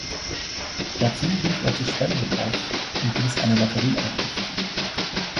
Dazu rief er zu Spenden auf und ließ eine Lotterie einrichten.